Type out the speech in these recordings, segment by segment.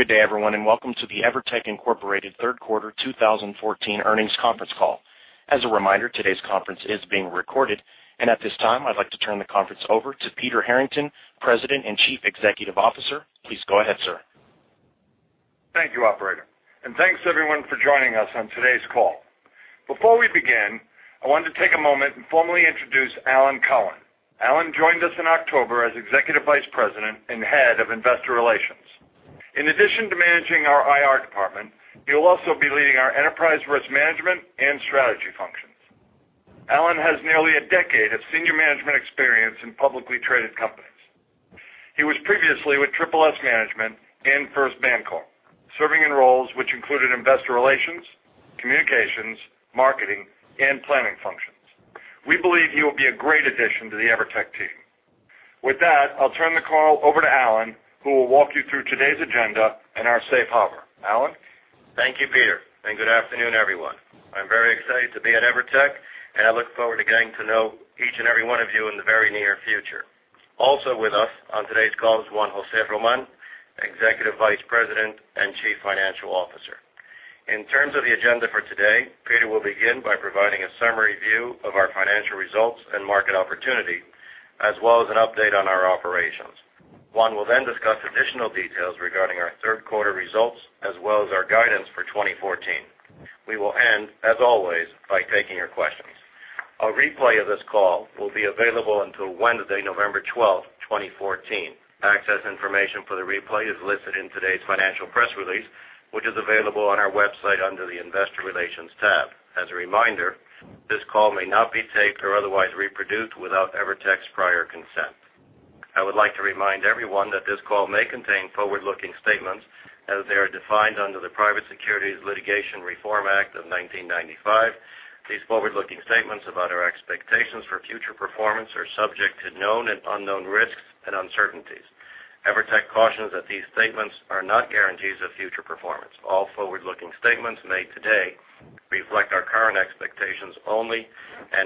Good day everyone, welcome to the EVERTEC, Inc. third quarter 2014 earnings conference call. As a reminder, today's conference is being recorded. At this time, I'd like to turn the conference over to Peter Harrington, President and Chief Executive Officer. Please go ahead, sir. Thank you, operator. Thanks everyone for joining us on today's call. Before we begin, I wanted to take a moment and formally introduce Alan Cohen. Alan joined us in October as Executive Vice President and Head of Investor Relations. In addition to managing our IR department, he will also be leading our enterprise risk management and strategy functions. Alan has nearly a decade of senior management experience in publicly traded companies. He was previously with Triple-S Management and First BanCorp, serving in roles which included investor relations, communications, marketing, and planning functions. We believe he will be a great addition to the EVERTEC team. With that, I'll turn the call over to Alan, who will walk you through today's agenda and our safe harbor. Alan? Thank you, Peter, good afternoon everyone. I'm very excited to be at EVERTEC, I look forward to getting to know each and every one of you in the very near future. Also with us on today's call is Juan José Román, Executive Vice President and Chief Financial Officer. In terms of the agenda for today, Peter will begin by providing a summary view of our financial results and market opportunity, as well as an update on our operations. Juan will then discuss additional details regarding our third quarter results, as well as our guidance for 2014. We will end, as always, by taking your questions. A replay of this call will be available until Wednesday, November 12, 2014. Access information for the replay is listed in today's financial press release, which is available on our website under the investor relations tab. As a reminder, this call may not be taped or otherwise reproduced without EVERTEC's prior consent. I would like to remind everyone that this call may contain forward-looking statements as they are defined under the Private Securities Litigation Reform Act of 1995. These forward-looking statements about our expectations for future performance are subject to known and unknown risks and uncertainties. EVERTEC cautions that these statements are not guarantees of future performance. All forward-looking statements made today reflect our current expectations only,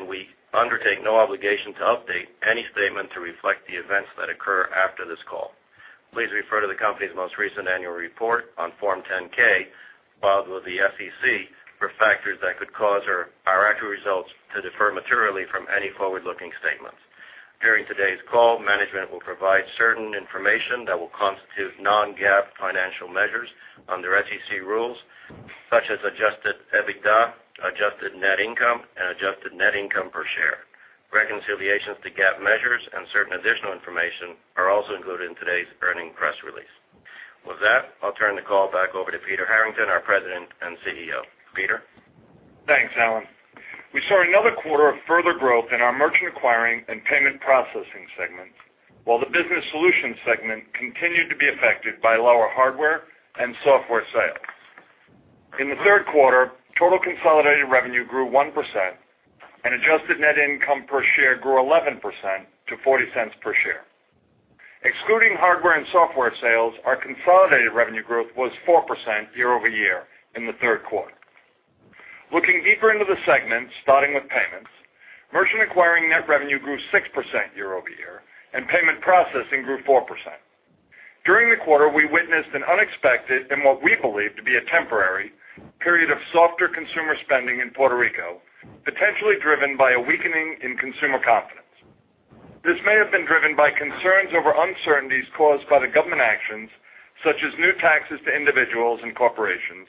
We undertake no obligation to update any statement to reflect the events that occur after this call. Please refer to the company's most recent annual report on Form 10-K filed with the SEC for factors that could cause our actual results to differ materially from any forward-looking statements. During today's call, management will provide certain information that will constitute non-GAAP financial measures under SEC rules such as adjusted EBITDA, adjusted net income, and adjusted net income per share. Reconciliations to GAAP measures and certain additional information are also included in today's earnings press release. With that, I'll turn the call back over to Peter Harrington, our President and CEO. Peter? Thanks, Alan. We saw another quarter of further growth in our merchant acquiring and payment processing segments, while the business solutions segment continued to be affected by lower hardware and software sales. In the third quarter, total consolidated revenue grew 1% and adjusted net income per share grew 11% to $0.40 per share. Excluding hardware and software sales, our consolidated revenue growth was 4% year-over-year in the third quarter. Looking deeper into the segments, starting with payments, merchant acquiring net revenue grew 6% year-over-year, and payment processing grew 4%. During the quarter, we witnessed an unexpected, and what we believe to be a temporary, period of softer consumer spending in Puerto Rico, potentially driven by a weakening in consumer confidence. This may have been driven by concerns over uncertainties caused by the government actions, such as new taxes to individuals and corporations,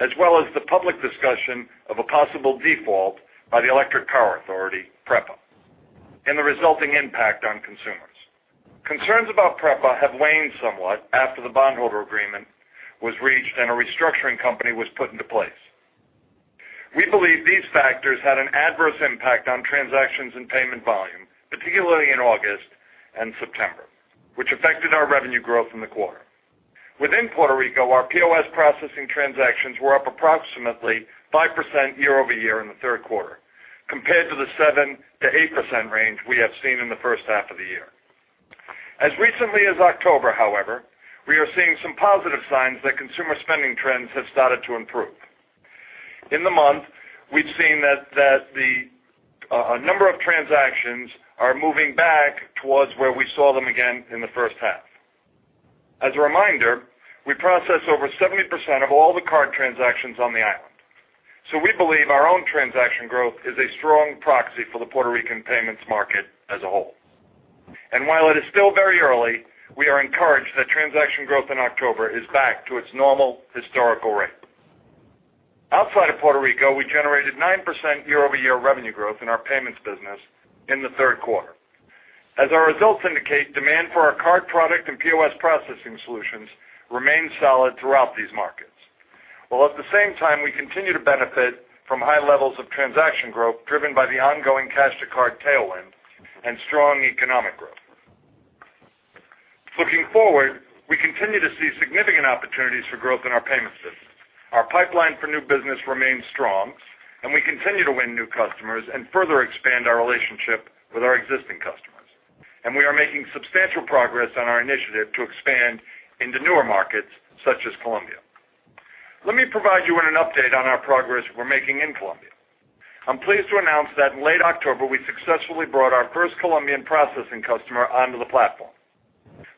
as well as the public discussion of a possible default by the electric power authority, PREPA, and the resulting impact on consumers. Concerns about PREPA have waned somewhat after the bondholder agreement was reached and a restructuring company was put into place. We believe these factors had an adverse impact on transactions and payment volume, particularly in August and September, which affected our revenue growth in the quarter. Within Puerto Rico, our POS processing transactions were up approximately 5% year-over-year in the third quarter, compared to the 7%-8% range we have seen in the first half of the year. As recently as October, however, we are seeing some positive signs that consumer spending trends have started to improve. In the month, we've seen that the number of transactions are moving back towards where we saw them again in the first half. As a reminder, we process over 70% of all the card transactions on the island. We believe our own transaction growth is a strong proxy for the Puerto Rican payments market as a whole. While it is still very early, we are encouraged that transaction growth in October is back to its normal historical rate. Outside of Puerto Rico, we generated 9% year-over-year revenue growth in our payments business in the third quarter. As our results indicate, demand for our card product and POS processing solutions remain solid throughout these markets. While at the same time, we continue to benefit from high levels of transaction growth driven by the ongoing cash to card tailwind and strong economic growth. Looking forward, we continue to see significant opportunities for growth in our payment systems. Our pipeline for new business remains strong, and we continue to win new customers and further expand our relationship with our existing customers. We are making substantial progress on our initiative to expand into newer markets such as Colombia. Let me provide you with an update on our progress we're making in Colombia. I'm pleased to announce that in late October, we successfully brought our first Colombian processing customer onto the platform.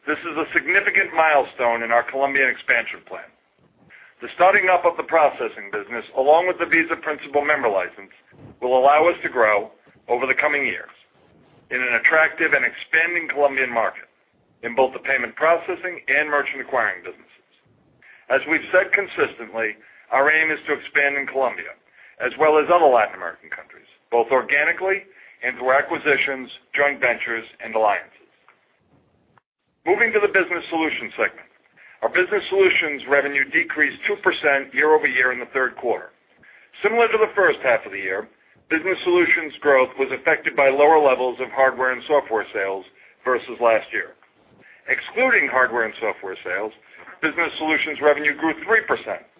This is a significant milestone in our Colombian expansion plan. The starting up of the processing business, along with the Visa principal member license, will allow us to grow over the coming years in an attractive and expanding Colombian market in both the payment processing and merchant acquiring businesses. As we've said consistently, our aim is to expand in Colombia as well as other Latin American countries, both organically and through acquisitions, joint ventures, and alliances. Moving to the business solutions segment. Our business solutions revenue decreased 2% year-over-year in the third quarter. Similar to the first half of the year, business solutions growth was affected by lower levels of hardware and software sales versus last year. Excluding hardware and software sales, business solutions revenue grew 3%,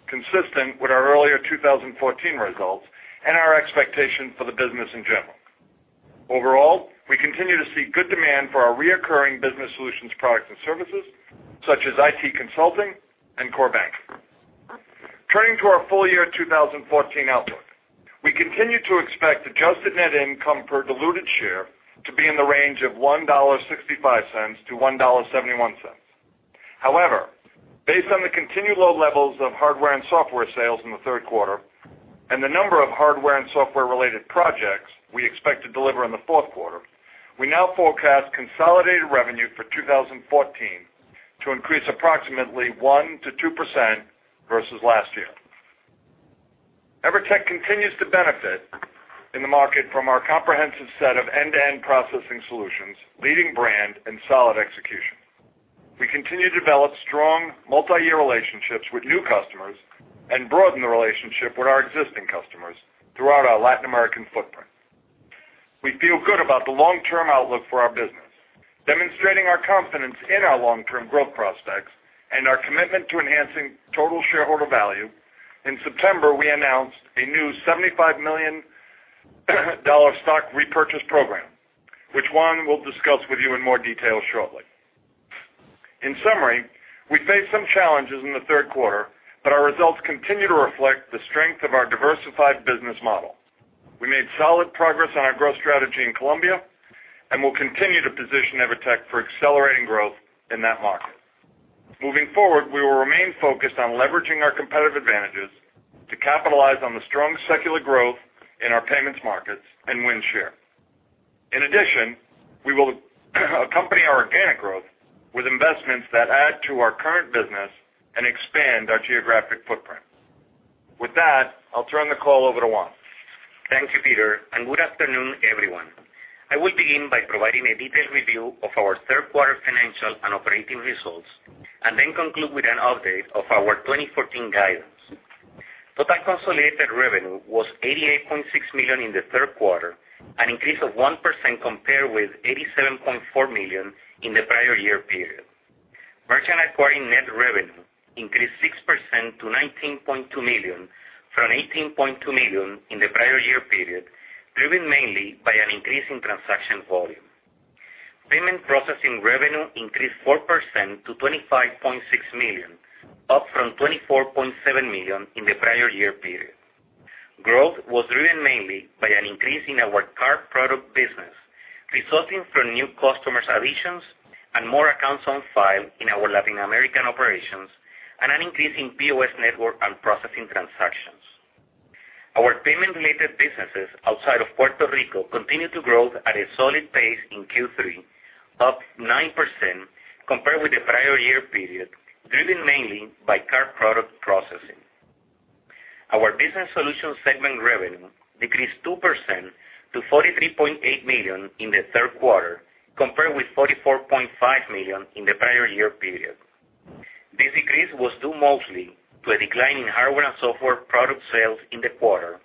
consistent with our earlier 2014 results and our expectation for the business in general. Overall, we continue to see good demand for our recurring business solutions products and services such as IT consulting and core banking. Turning to our full-year 2014 outlook. We continue to expect adjusted net income per diluted share to be in the range of $1.65 to $1.71. However, based on the continued low levels of hardware and software sales in the third quarter and the number of hardware and software-related projects we expect to deliver in the fourth quarter, we now forecast consolidated revenue for 2014 to increase approximately 1%-2% versus last year. EVERTEC continues to benefit in the market from our comprehensive set of end-to-end processing solutions, leading brand, and solid execution. We continue to develop strong multi-year relationships with new customers and broaden the relationship with our existing customers throughout our Latin American footprint. We feel good about the long-term outlook for our business. Demonstrating our confidence in our long-term growth prospects and our commitment to enhancing total shareholder value, in September, we announced a new $75 million stock repurchase program, which Juan will discuss with you in more detail shortly. In summary, we faced some challenges in the third quarter, but our results continue to reflect the strength of our diversified business model. We made solid progress on our growth strategy in Colombia and will continue to position EVERTEC for accelerating growth in that market. Moving forward, we will remain focused on leveraging our competitive advantages to capitalize on the strong secular growth in our payments markets and win share. In addition, we will accompany our organic growth with investments that add to our current business and expand our geographic footprint. With that, I'll turn the call over to Juan. Thank you, Peter, and good afternoon, everyone. I will begin by providing a detailed review of our third-quarter financial and operating results and then conclude with an update of our 2014 guidance. Total consolidated revenue was $88.6 million in the third quarter, an increase of 1% compared with $87.4 million in the prior year period. Merchant acquiring net revenue increased 6% to $19.2 million from $18.2 million in the prior year period, driven mainly by an increase in transaction volume. Payment processing revenue increased 4% to $25.6 million, up from $24.7 million in the prior year period. Growth was driven mainly by an increase in our card product business, resulting from new customer additions and more accounts on file in our Latin American operations and an increase in POS network and processing transactions. Our payment-related businesses outside of Puerto Rico continued to grow at a solid pace in Q3, up 9% compared with the prior year period, driven mainly by card product processing. Our business solutions segment revenue decreased 2% to $43.8 million in the third quarter, compared with $44.5 million in the prior year period. This decrease was due mostly to a decline in hardware and software product sales in the quarter,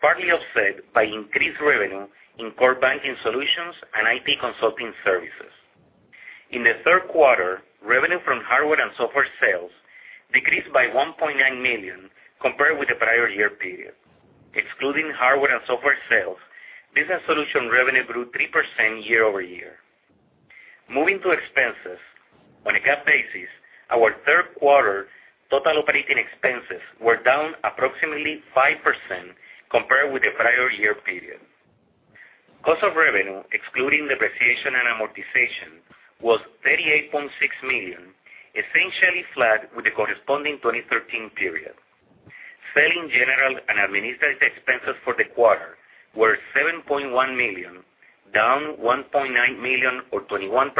partly offset by increased revenue in core banking solutions and IT consulting services. In the third quarter, revenue from hardware and software sales decreased by $1.9 million compared with the prior year period. Excluding hardware and software sales, business solution revenue grew 3% year-over-year. Moving to expenses. On a GAAP basis, our third-quarter total operating expenses were down approximately 5% compared with the prior year period. Cost of revenue, excluding depreciation and amortization, was $38.6 million, essentially flat with the corresponding 2013 period. Selling, general, and administrative expenses for the quarter were $7.1 million, down $1.9 million or 21%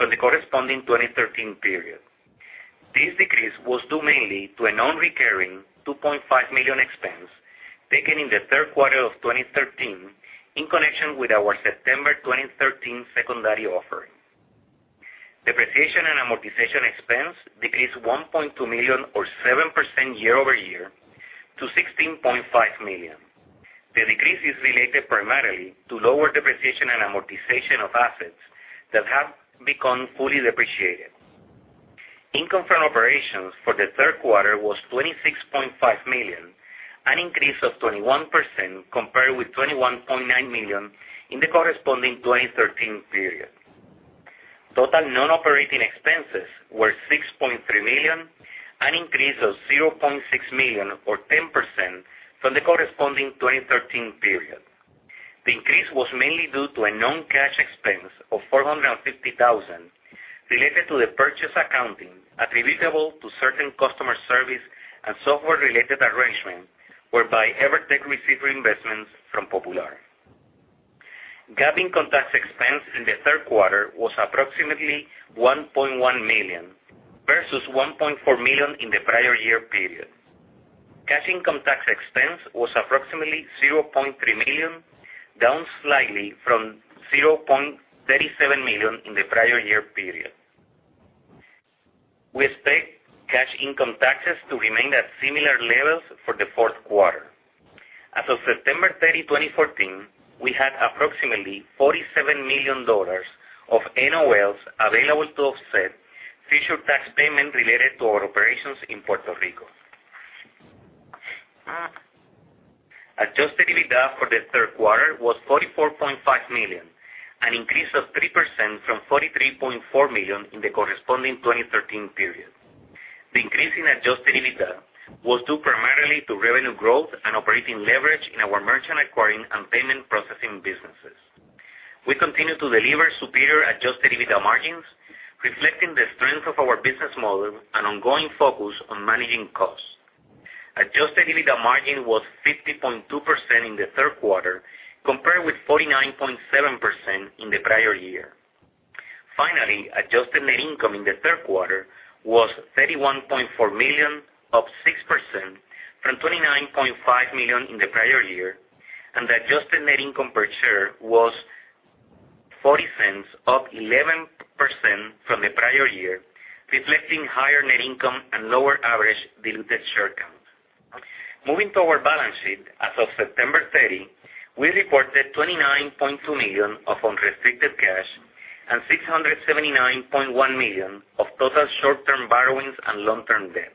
from the corresponding 2013 period. This decrease was due mainly to a non-recurring $2.5 million expense taken in the third quarter of 2013 in connection with our September 2013 secondary offering. Depreciation and amortization expense decreased $1.2 million or 7% year-over-year to $16.5 million. The decrease is related primarily to lower depreciation and amortization of assets that have become fully depreciated. Income from operations for the third quarter was $26.5 million, an increase of 21% compared with $21.9 million in the corresponding 2013 period. Total non-operating expenses were $6.3 million, an increase of $0.6 million or 10% from the corresponding 2013 period. The increase was mainly due to a non-cash expense of $450,000 related to the purchase accounting attributable to certain customer service and software-related arrangements whereby EVERTEC received investments from Popular. GAAP income tax expense in the third quarter was approximately $1.1 million versus $1.4 million in the prior year period. Cash income tax expense was approximately $0.3 million, down slightly from $0.37 million in the prior year period. We expect cash income taxes to remain at similar levels for the fourth quarter. As of September 30, 2014, we had approximately $47 million of NOLs available to offset future tax payment related to our operations in Puerto Rico. Adjusted EBITDA for the third quarter was $44.5 million, an increase of 3% from $43.4 million in the corresponding 2013 period. The increase in adjusted EBITDA was due primarily to revenue growth and operating leverage in our merchant acquiring and payment processing businesses. We continue to deliver superior adjusted EBITDA margins, reflecting the strength of our business model and ongoing focus on managing costs. Adjusted EBITDA margin was 50.2% in the third quarter, compared with 49.7% in the prior year. Finally, adjusted net income in the third quarter was $31.4 million, up 6% from $29.5 million in the prior year, and the adjusted net income per share was $0.40, up 11% from the prior year, reflecting higher net income and lower average diluted share count. Moving to our balance sheet, as of September 30, we reported $29.2 million of unrestricted cash and $679.1 million of total short-term borrowings and long-term debt.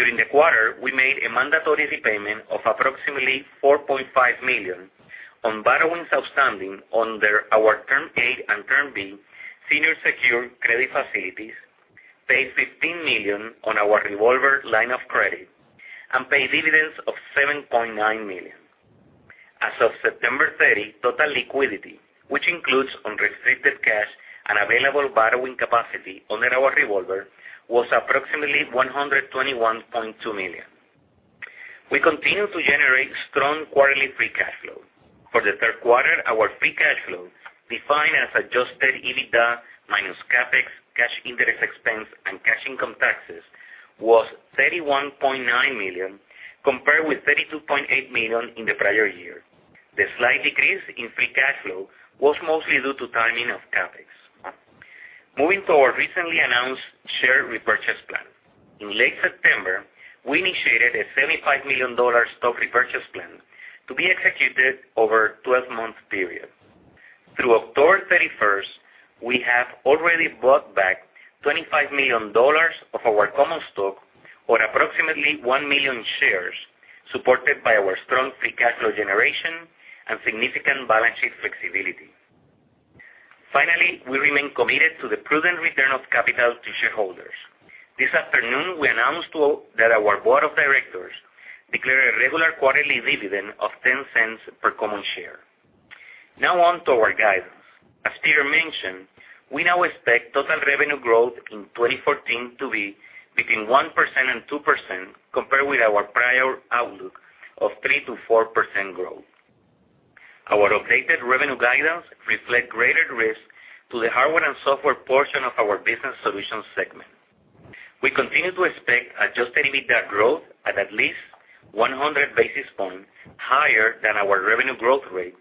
During the quarter, we made a mandatory repayment of approximately $4.5 million on borrowings outstanding under our Term A and Term B senior secured credit facilities, paid $15 million on our revolver line of credit, and paid dividends of $7.9 million. As of September 30, total liquidity, which includes unrestricted cash and available borrowing capacity under our revolver, was approximately $121.2 million. We continue to generate strong quarterly free cash flow. For the third quarter, our free cash flow, defined as adjusted EBITDA minus CapEx, cash interest expense, and cash income taxes, was $31.9 million, compared with $32.8 million in the prior year. The slight decrease in free cash flow was mostly due to timing of CapEx. Moving to our recently announced share repurchase plan. In late September, we initiated a $75 million stock repurchase plan to be executed over a 12-month period. Through October 31st, we have already bought back $25 million of our common stock, or approximately 1 million shares, supported by our strong free cash flow generation and significant balance sheet flexibility. Finally, we remain committed to the prudent return of capital to shareholders. This afternoon, we announced that our board of directors declared a regular quarterly dividend of $0.10 per common share. Now on to our guidance. As Peter mentioned, we now expect total revenue growth in 2014 to be between 1% and 2%, compared with our prior outlook of 3% to 4% growth. Our updated revenue guidance reflect greater risk to the hardware and software portion of our business solutions segment. We continue to expect adjusted EBITDA growth at least 100 basis points higher than our revenue growth rate,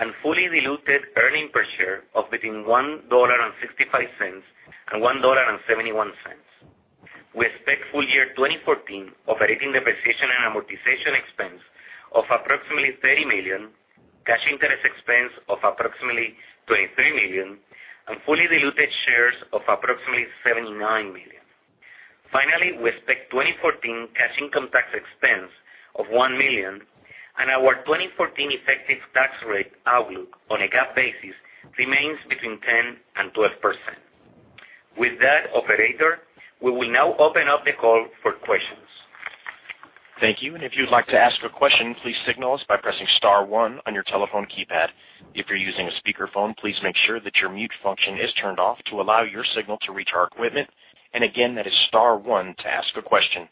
and fully diluted earnings per share of between $1.65 and $1.71. We expect full year 2014 operating depreciation and amortization expense of approximately $30 million, cash interest expense of approximately $23 million, and fully diluted shares of approximately 79 million. Finally, we expect 2014 cash income tax expense of $1 million, and our 2014 effective tax rate outlook on a GAAP basis remains between 10% and 12%. With that, operator, we will now open up the call for questions. Thank you. If you'd like to ask a question, please signal us by pressing star one on your telephone keypad. If you're using a speakerphone, please make sure that your mute function is turned off to allow your signal to reach our equipment. Again, that is star one to ask a question.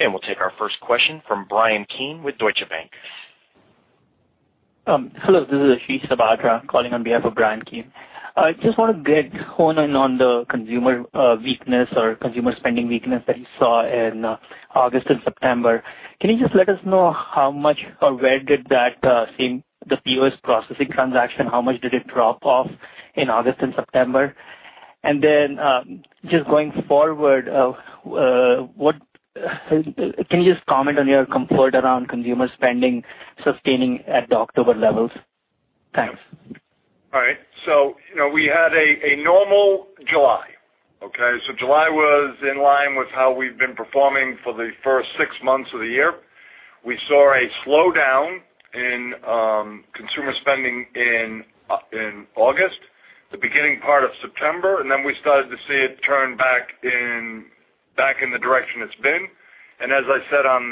We'll take our first question from Bryan Keane with Deutsche Bank. Hello, this is Ashish Sabadra calling on behalf of Bryan Keane. I just want to get hone in on the consumer weakness or consumer spending weakness that you saw in August and September. Can you just let us know how much or where did that seem, the POS processing transaction, how much did it drop off in August and September? Then just going forward, can you just comment on your comfort around consumer spending sustaining at the October levels? Thanks. All right. We had a normal July- Okay. July was in line with how we've been performing for the first six months of the year. We saw a slowdown in consumer spending in August, the beginning part of September, then we started to see it turn back in the direction it's been. As I said on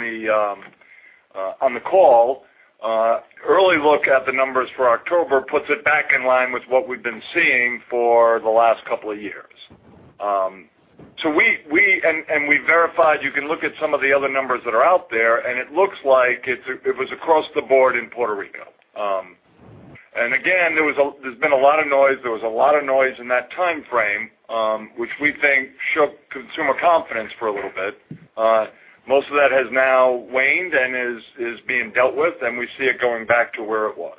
the call, early look at the numbers for October puts it back in line with what we've been seeing for the last couple of years. We verified, you can look at some of the other numbers that are out there, and it looks like it was across the board in Puerto Rico. Again, there's been a lot of noise. There was a lot of noise in that timeframe, which we think shook consumer confidence for a little bit. Most of that has now waned and is being dealt with, and we see it going back to where it was.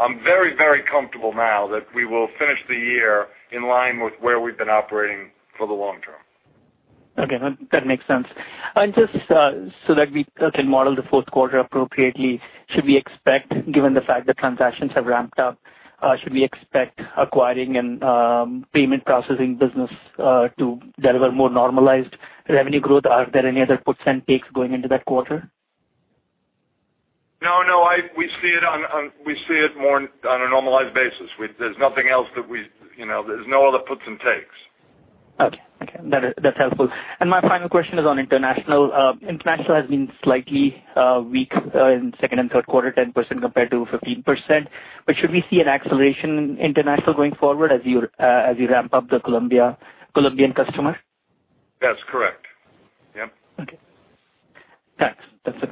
I'm very comfortable now that we will finish the year in line with where we've been operating for the long term. Okay. That makes sense. Just so that we can model the fourth quarter appropriately, should we expect, given the fact that transactions have ramped up, should we expect acquiring and payment processing business to deliver more normalized revenue growth? Are there any other puts and takes going into that quarter? No, we see it more on a normalized basis. There's no other puts and takes. Okay. That's helpful. My final question is on international. International has been slightly weak in second and third quarter, 10% compared to 15%. Should we see an acceleration in international going forward as you ramp up the Colombian customer? That's correct. Yep. Okay. Thanks. That's it.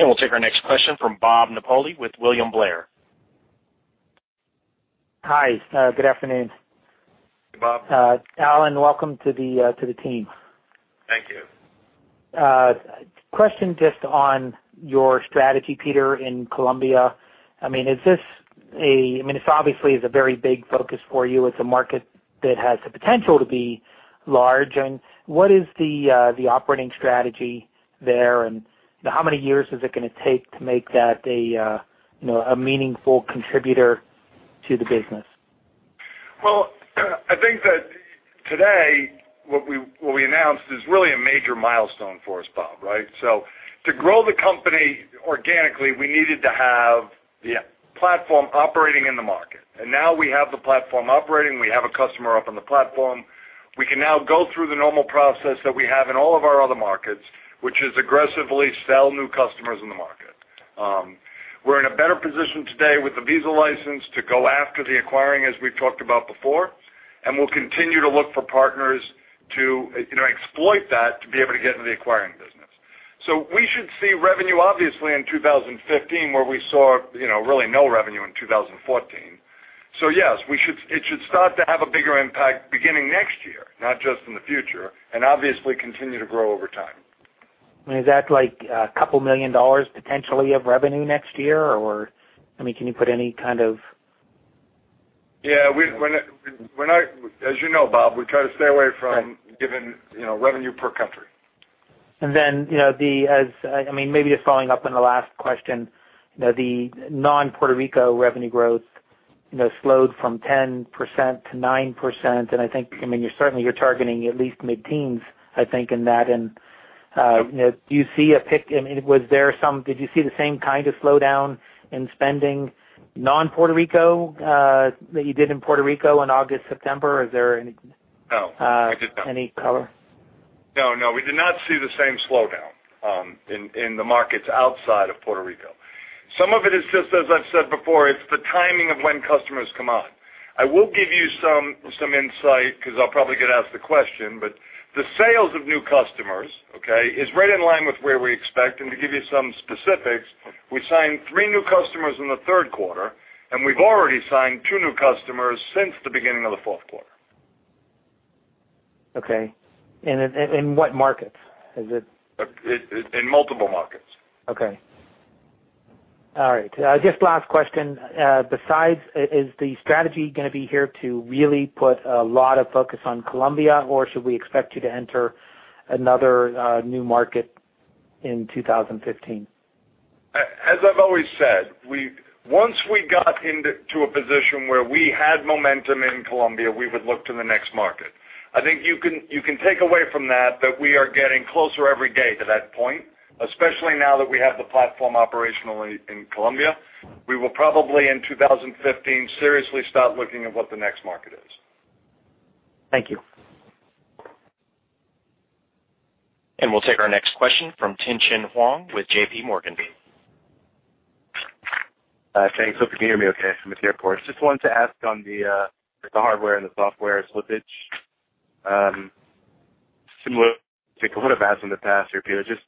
We'll take our next question from Robert Napoli with William Blair. Hi. Good afternoon. Hey, Bob. Alan, welcome to the team. Thank you. Question just on your strategy, Peter, in Colombia. It obviously is a very big focus for you. It's a market that has the potential to be large. What is the operating strategy there, and how many years is it going to take to make that a meaningful contributor to the business? Well, I think that today what we announced is really a major milestone for us, Bob, right? To grow the company organically, we needed to have the platform operating in the market. Now we have the platform operating. We have a customer up on the platform. We can now go through the normal process that we have in all of our other markets, which is aggressively sell new customers in the market. We're in a better position today with the Visa license to go after the acquiring, as we've talked about before. We'll continue to look for partners to exploit that to be able to get into the acquiring business. We should see revenue obviously in 2015, where we saw really no revenue in 2014. Yes, it should start to have a bigger impact beginning next year, not just in the future. Obviously continue to grow over time. Is that like a couple million dollars potentially of revenue next year, or can you put any kind of- Yeah. As you know, Bob, we try to stay away from giving revenue per country. Maybe just following up on the last question. The non-Puerto Rico revenue growth slowed from 10% to 9%, and I think you're targeting at least mid-teens, I think, in that. Did you see the same kind of slowdown in spending non-Puerto Rico that you did in Puerto Rico in August, September? Is there any? No, we did not. Any color? No, we did not see the same slowdown in the markets outside of Puerto Rico. Some of it is just as I've said before, it's the timing of when customers come on. I will give you some insight because I'll probably get asked the question, but the sales of new customers, okay, is right in line with where we expect. To give you some specifics, we signed three new customers in the third quarter, and we've already signed two new customers since the beginning of the fourth quarter. Okay. In what markets? In multiple markets. Okay. All right. Just last question. Besides, is the strategy going to be here to really put a lot of focus on Colombia, or should we expect you to enter another new market in 2015? As I've always said, once we got into a position where we had momentum in Colombia, we would look to the next market. I think you can take away from that we are getting closer every day to that point, especially now that we have the platform operationally in Colombia. We will probably, in 2015, seriously start looking at what the next market is. Thank you. We'll take our next question from Tien-Tsin Huang with J.P. Morgan. Hi. Thanks. Hope you can hear me okay. I'm at the airport. Just wanted to ask on the hardware and the software slippage. Similar to what I've asked in the past here, Peter, just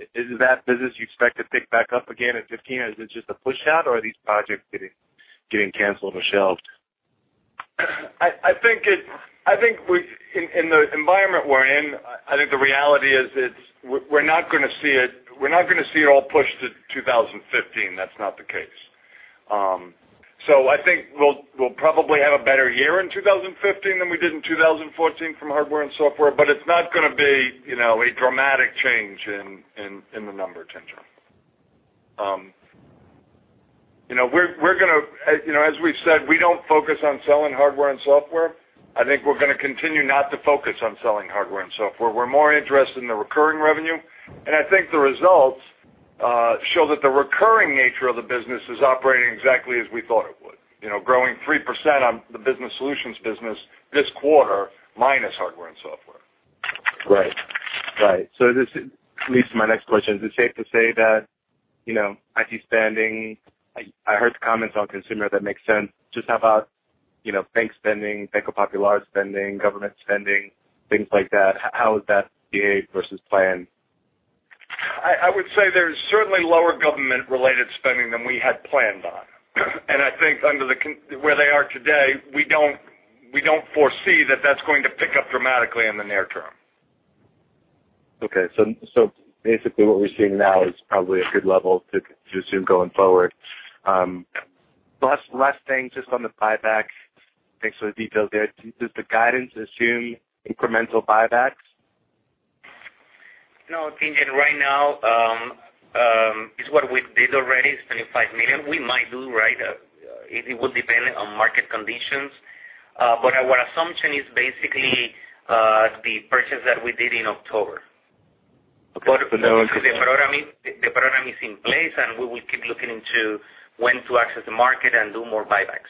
is it that business you expect to pick back up again in 2015? Is it just a pushout or are these projects getting canceled or shelved? I think in the environment we're in, I think the reality is we're not going to see it all pushed to 2015. That's not the case. I think we'll probably have a better year in 2015 than we did in 2014 from hardware and software, but it's not going to be a dramatic change in the number, Tien-Tsin. As we've said, we don't focus on selling hardware and software. I think we're going to continue not to focus on selling hardware and software. We're more interested in the recurring revenue. I think the results show that the recurring nature of the business is operating exactly as we thought it would. Growing 3% on the business solutions business this quarter, minus hardware and software. Right. This leads to my next question. Is it safe to say that IT spending? I heard the comments on consumer, that makes sense. Just how about bank spending, Banco Popular spending, government spending, things like that. How has that behaved versus plan? I would say there's certainly lower government-related spending than we had planned on. I think where they are today, we don't foresee that that's going to pick up dramatically in the near term. Okay. Basically what we're seeing now is probably a good level to assume going forward. Last thing, just on the buyback. Thanks for the details there. Does the guidance assume incremental buybacks? No, I think right now, it's what we did already, $25 million. We might do, right? It would depend on market conditions. Our assumption is basically the purchase that we did in October. Okay. The program is in place, and we will keep looking into when to access the market and do more buybacks.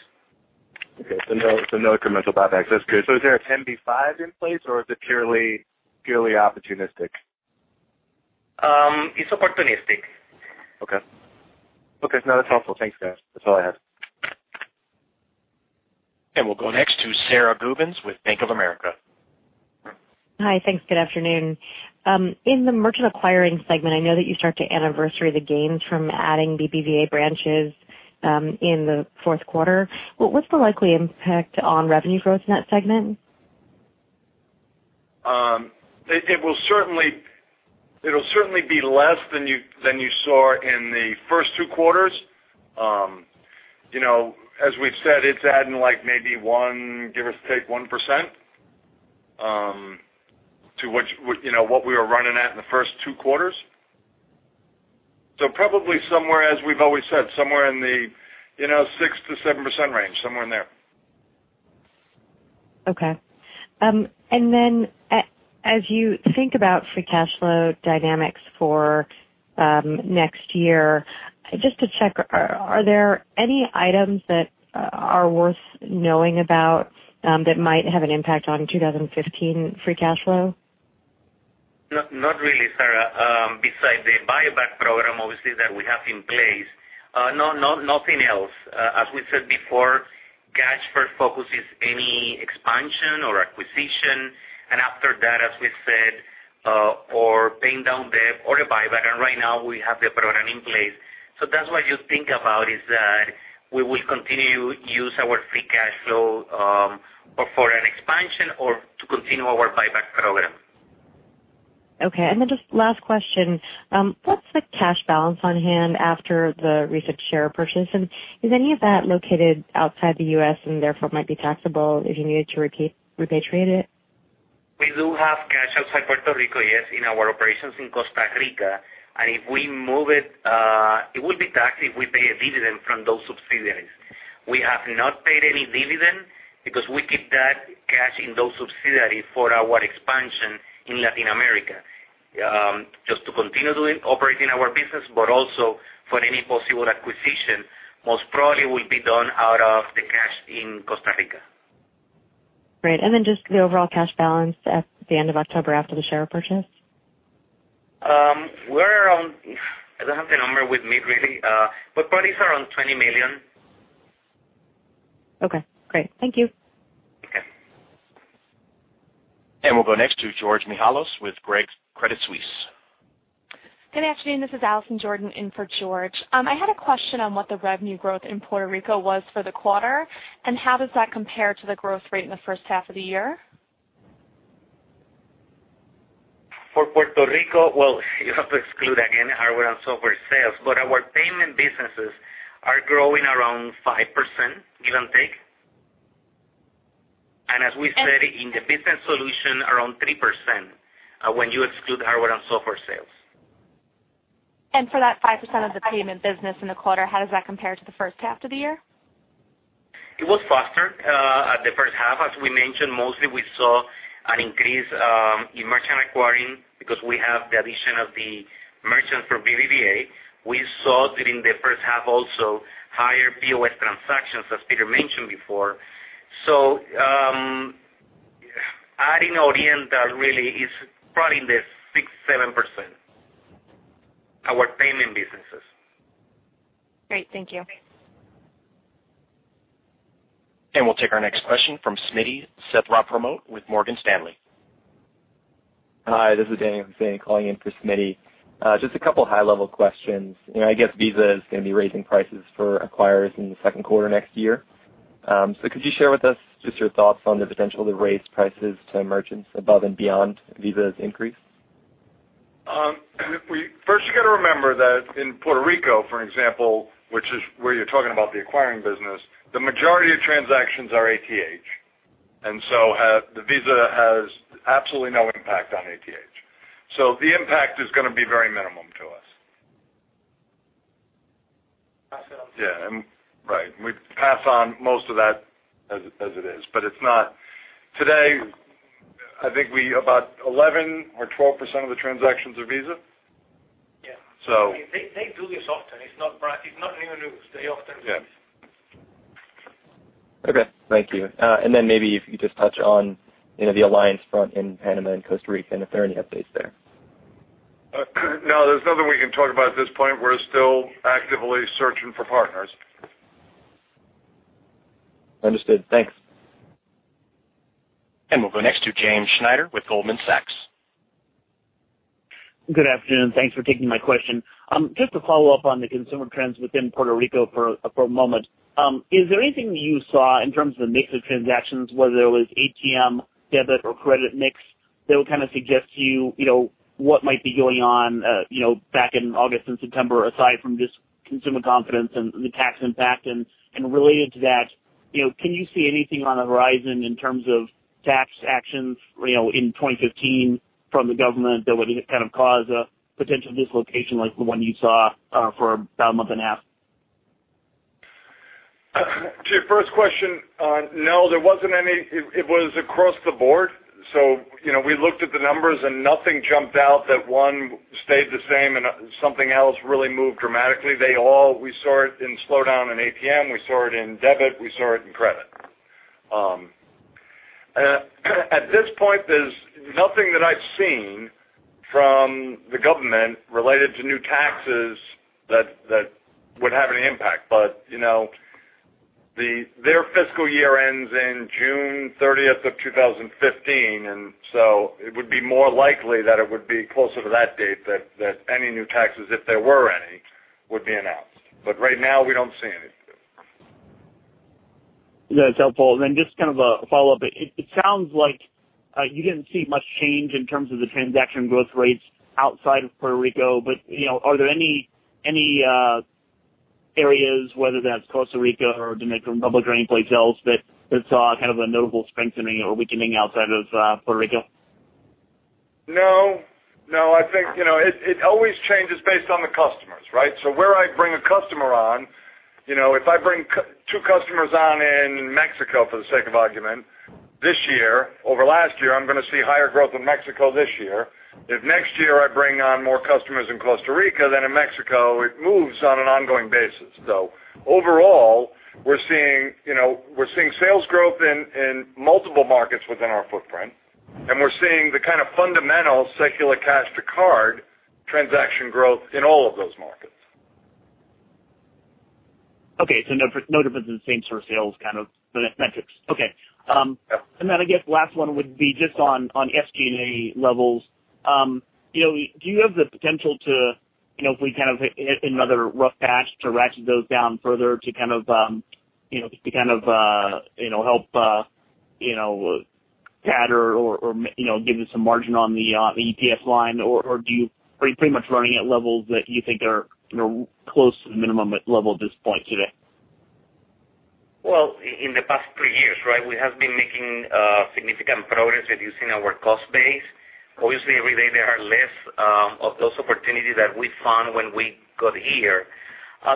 Okay. No incremental buybacks. That's good. Is there a 10b5-1 in place, or is it purely opportunistic? It's opportunistic. Okay. No, that's helpful. Thanks, guys. That's all I have. We'll go next to Sara Gubins with Bank of America. Hi. Thanks. Good afternoon. In the merchant acquiring segment, I know that you start to anniversary the gains from adding BBVA branches in the fourth quarter. What's the likely impact on revenue growth in that segment? It'll certainly be less than you saw in the first two quarters. As we've said, it's adding maybe one, give or take, 1% to what we were running at in the first two quarters. Probably somewhere, as we've always said, somewhere in the 6%-7% range. Somewhere in there. Then as you think about free cash flow dynamics for next year, just to check, are there any items that are worth knowing about that might have an impact on 2015 free cash flow? Not really, Sara. Besides the buyback program, obviously, that we have in place, nothing else. As we said before, cash first focuses any expansion or acquisition. After that, as we've said, or paying down debt or a buyback. Right now we have the program in place. That's what you think about, is that we will continue to use our free cash flow for an expansion or to continue our buyback program. Then just last question. What's the cash balance on hand after the recent share purchase? Is any of that located outside the U.S., and therefore might be taxable if you needed to repatriate it? We do have cash outside Puerto Rico, yes, in our operations in Costa Rica. If we move it would be taxed if we pay a dividend from those subsidiaries. We have not paid any dividend because we keep that cash in those subsidiaries for our expansion in Latin America. Just to continue operating our business, but also for any possible acquisition, most probably will be done out of the cash in Costa Rica. Great. Then just the overall cash balance at the end of October after the share purchase? I don't have the number with me really. Probably it's around $20 million. Okay, great. Thank you. Okay. We'll go next to George Mihalos with Credit Suisse. Good afternoon. This is Allison Jordan in for George. I had a question on what the revenue growth in Puerto Rico was for the quarter, and how does that compare to the growth rate in the first half of the year? For Puerto Rico, well, you have to exclude again, hardware and software sales, but our payment businesses are growing around 5%, give and take. As we said in the business solution, around 3%, when you exclude hardware and software sales. For that 5% of the payment business in the quarter, how does that compare to the first half of the year? It was faster at the first half. As we mentioned, mostly we saw an increase in merchant acquiring because we have the addition of the merchants for BBVA. We saw during the first half also higher POS transactions, as Peter mentioned before. Adding organic, that really is probably in the 6%, 7%, our payment businesses. Great. Thank you. We'll take our next question from Smittipon Srethapramote with Morgan Stanley. Hi, this is Daniel Seth calling in for Smitty. Just a couple of high-level questions. I guess Visa is going to be raising prices for acquirers in the 2Q next year. Could you share with us just your thoughts on the potential to raise prices to merchants above and beyond Visa's increase? First you got to remember that in Puerto Rico, for example, which is where you're talking about the acquiring business, the majority of transactions are ATH. The Visa has absolutely no impact on ATH. The impact is going to be very minimum to us. Pass it on. Yeah. Right. We pass on most of that as it is. It's not Today, I think about 11% or 12% of the transactions are Visa. Yeah. So- They do this often. It's not new. They often do this. Yeah. Okay. Thank you. Then maybe if you could just touch on the alliance front in Panama and Costa Rica, and if there are any updates there. No, there's nothing we can talk about at this point. We're still actively searching for partners. Understood. Thanks. We'll go next to James Friedman with Goldman Sachs. Good afternoon. Thanks for taking my question. Just to follow up on the consumer trends within Puerto Rico for a moment. Is there anything you saw in terms of the mix of transactions, whether it was ATM, debit, or credit mix, that would kind of suggest to you what might be going on back in August and September, aside from just consumer confidence and the tax impact? Related to that, can you see anything on the horizon in terms of tax actions in 2015 from the government that would kind of cause a potential dislocation like the one you saw for about a month and a half? To your first question, no, there wasn't any. It was across the board. We looked at the numbers and nothing jumped out. That one stayed the same and something else really moved dramatically. We saw it in slowdown in ATM, we saw it in debit, we saw it in credit. At this point, there's nothing that I've seen from the government related to new taxes that would have any impact. Their fiscal year ends in June 30th of 2015, it would be more likely that it would be closer to that date that any new taxes, if there were any, would be announced. Right now, we don't see anything. That's helpful. Just kind of a follow-up. It sounds like you didn't see much change in terms of the transaction growth rates outside of Puerto Rico. Are there any areas, whether that's Costa Rica or Dominican Republic or anyplace else, that saw kind of a notable strengthening or weakening outside of Puerto Rico? No. I think it always changes based on the customers, right? Where I bring a customer on, if I bring two customers on in Mexico for the sake of argument this year, over last year, I'm going to see higher growth in Mexico this year. If next year I bring on more customers in Costa Rica than in Mexico, it moves on an ongoing basis. Overall, we're seeing sales growth in multiple markets within our footprint. We're seeing the kind of fundamental secular cash to card transaction growth in all of those markets. Okay, no difference in the same sort of sales kind of metrics. Okay. Yeah. I guess last one would be just on SG&A levels. Do you have the potential to, if we kind of hit another rough patch, to ratchet those down further to kind of help pad or give you some margin on the EPS line? Or are you pretty much running at levels that you think are close to the minimum level at this point today? Well, in the past three years, we have been making significant progress reducing our cost base. Obviously, every day there are less of those opportunities that we found when we got here.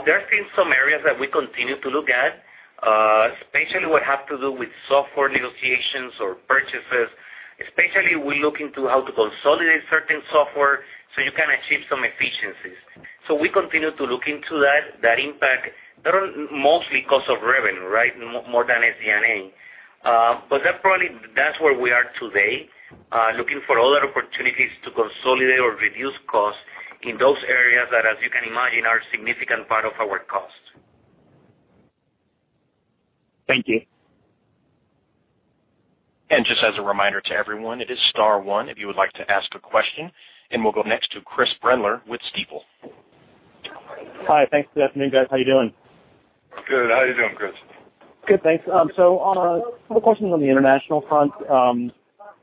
There have been some areas that we continue to look at, especially what have to do with software negotiations or purchases, especially we look into how to consolidate certain software so you can achieve some efficiencies. We continue to look into that. That impact, they are mostly cost of revenue more than SG&A. That's where we are today, looking for other opportunities to consolidate or reduce costs in those areas that, as you can imagine, are a significant part of our cost. Thank you. Just as a reminder to everyone, it is star one if you would like to ask a question. We'll go next to Chris Brendler with Stifel. Hi. Thanks. Good afternoon, guys. How you doing? Good. How are you doing, Chris? Good, thanks. A couple questions on the international front.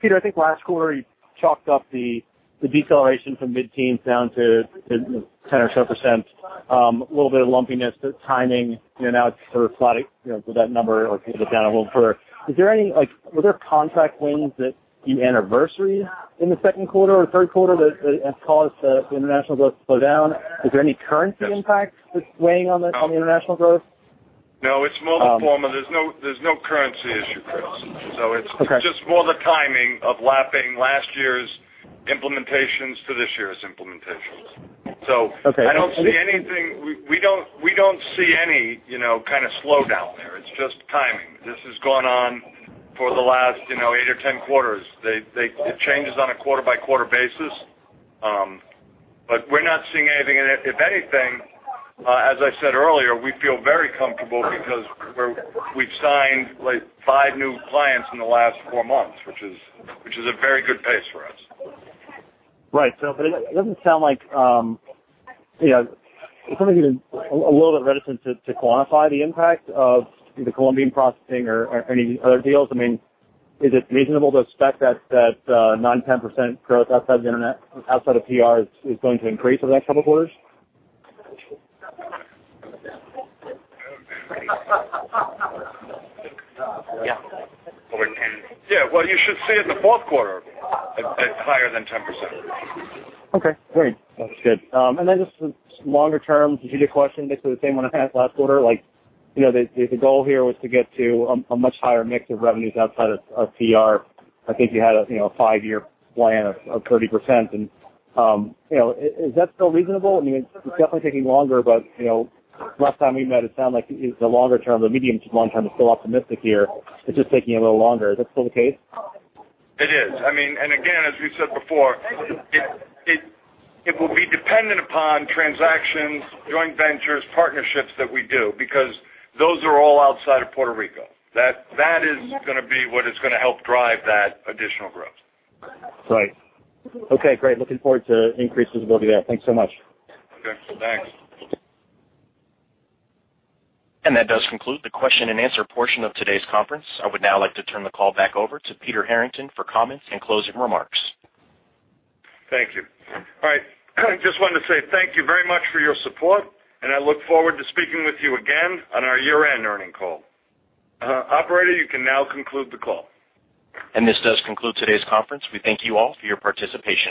Peter, I think last quarter you chalked up the deceleration from mid-teens down to 10% or so. A little bit of lumpiness, the timing, and now it's sort of plotting for that number or it down a little further. Were there contract wins that you anniversary in the second quarter or third quarter that have caused the international growth to slow down? Is there any currency impact that's weighing on the international growth? No, it's pro-forma. There's no currency issue, Chris. Okay. It's just more the timing of lapping last year's implementations to this year's implementations. Okay. I don't see anything. We don't see any kind of slowdown there. It's just timing. This has gone on for the last eight or 10 quarters. It changes on a quarter-by-quarter basis. We're not seeing anything. If anything, as I said earlier, we feel very comfortable because we've signed like five new clients in the last four months, which is a very good pace for us. Right. It doesn't sound like it's something a little bit reticent to quantify the impact of either Colombian processing or any other deals. Is it reasonable to expect that 9%-10% growth outside of PR is going to increase over the next couple of quarters? Yeah. Yeah. Well, you should see in the fourth quarter it's higher than 10%. Okay, great. That's good. Just some longer-term strategic question, basically the same one I asked last quarter. If the goal here was to get to a much higher mix of revenues outside of PR, I think you had a five-year plan of 30%. Is that still reasonable? It's definitely taking longer, but last time we met, it sounded like the longer term, the medium to long term is still optimistic here. It's just taking a little longer. Is that still the case? It is. Again, as we've said before, it will be dependent upon transactions, joint ventures, partnerships that we do because those are all outside of Puerto Rico. That is going to be what is going to help drive that additional growth. Right. Okay, great. Looking forward to increased visibility there. Thanks so much. Okay, thanks. That does conclude the question and answer portion of today's conference. I would now like to turn the call back over to Peter Harrington for comments and closing remarks. Thank you. All right. Just wanted to say thank you very much for your support, and I look forward to speaking with you again on our year-end earning call. Operator, you can now conclude the call. This does conclude today's conference. We thank you all for your participation.